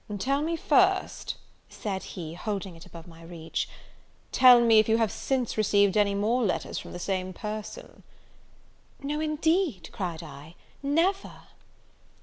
"Tell me first," said he, holding it above my reach, "tell me if you have since received any more letters from the same person?" "No, indeed," cried I, "never!"